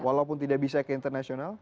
walaupun tidak bisa ke internasional